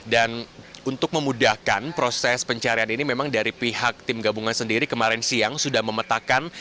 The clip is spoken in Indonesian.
dan untuk memudahkan proses pencarian ini memang dari pihak tim gabungan sendiri kemarin siang sudah memetakan